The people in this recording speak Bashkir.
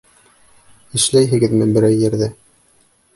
Эшләйһегеҙме берәй ерҙә?